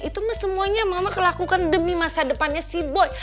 itu semuanya mama kelakukan demi masa depannya si boi